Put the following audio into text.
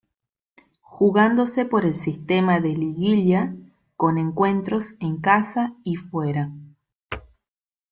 Jugándose por el sistema de liguilla, con encuentros en casa y fuera.